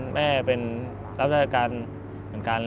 แม่เป็นรับราชการเหมือนกัน